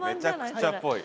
めちゃくちゃぽい。